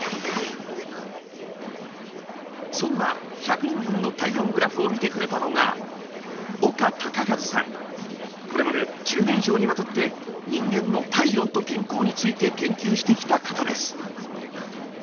そんな１００人分の体温グラフを見てくれたのがこれまで１０年以上にわたって人間の体温と健康について研究してきた方です！